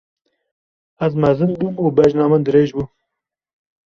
Ez mezin bûm û bejna min dirêj bû.